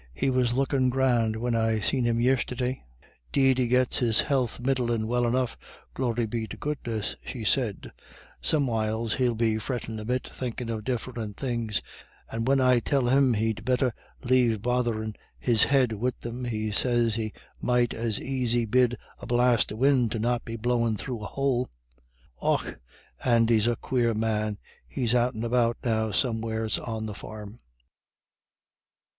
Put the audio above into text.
"He was lookin' grand whin I seen him yisterday." "'Deed, he gits his health middlin' well enough, glory be to goodness," she said; "somewhiles he'll be frettin' a bit, thinkin' of diff'rent things, and when I tell him he'd better lave botherin' his head wid them, he sez he might as aisy bid a blast of win' to not be blowin' through a houle. Och, Andy's a quare man. He's out and about now somewheres on the farm."